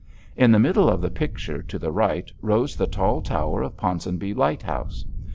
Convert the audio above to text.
In the middle of the picture, to the right, rose the tall tower of Ponsonby Lighthouse.